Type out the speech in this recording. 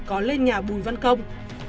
có lên nhà bùi văn công